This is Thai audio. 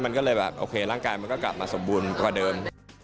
มันก็เลยแบบโอเคร่างกายมันก็กลับมาสมบูรณ์กว่าเดิม